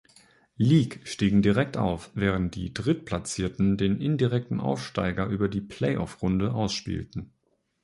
Lig stiegen direkt auf, während die Drittplatzierten den indirekten Aufsteiger über die Play-off-Runde ausspielten.